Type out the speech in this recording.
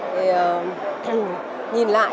thì nhìn lại